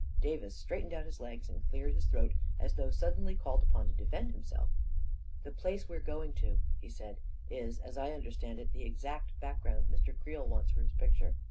Davis straightened out his legs and cleared his throat, as though suddenly called upon to defend himself. " The place we're going to," he said, " is, as I un derstand it, the exact background Mr. Creel wants for his picture.